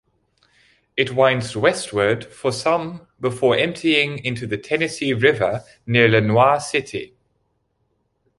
It winds westward for some before emptying into the Tennessee River near Lenoir City.